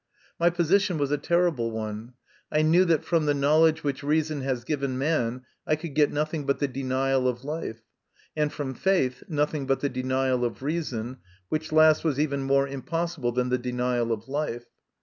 My position was a terrible one. I knew that from the knowledge which reason has given man I could get nothing but the denial of life, and from faith nothing but the denial of reason, which last was even more impossible than the denial of life.